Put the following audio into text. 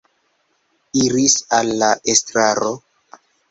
Iris al la estraro.